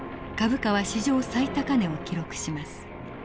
株価は史上最高値を記録します。